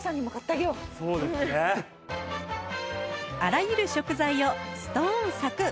あらゆる食材をストーンサクッ！